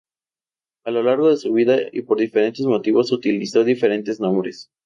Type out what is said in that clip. A lo largo de su vida y por diferentes motivos utilizó diferentes nombres,